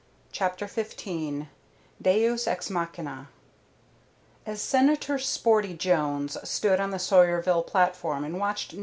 CHAPTER XV DEUS EX MACHINA As Senator Sporty Jones stood on the Sawyerville platform and watched No.